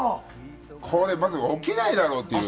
これ、まずは起きないだろうという。